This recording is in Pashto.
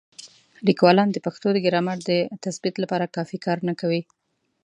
لیکوالان د پښتو د ګرامر د تثبیت لپاره کافي کار نه کوي.